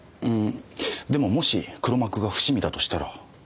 でももし黒幕が伏見だとしたら。